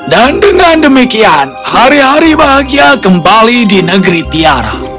dan dengan demikian hari hari bahagia kembali di negeri tiara